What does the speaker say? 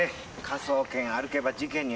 科捜研歩けば事件に当たる。